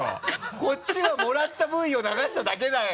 こっちはもらったＶを流しただけだよ！